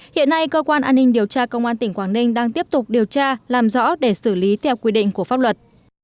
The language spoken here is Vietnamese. hiện nay cơ quan an ninh điều tra công an tỉnh quảng ninh đang tiếp tục điều tra làm rõ để xử lý theo quy định của pháp luật